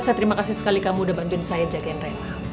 saya terima kasih sekali kamu udah bantuin saya jak genre